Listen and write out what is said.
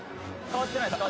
変わってないです